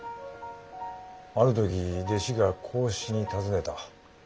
ある時弟子が孔子に尋ねた。